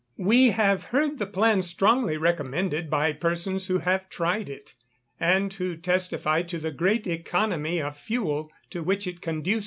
We have heard the plan strongly recommended by persons who have tried it, and who testify to the great economy of fuel to which it conduces.